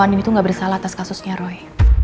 anim itu gak bersalah atas kasusnya roy